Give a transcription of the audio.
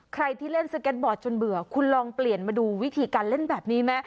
ใครที่เล่นสเก็ตบอร์ดจนเบื่อคุณลองเปลี่ยนมาดูวิธีการเล่นแบบนี้ไหม